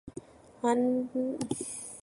华南冠网椿为网蝽科冠网蝽属下的一个种。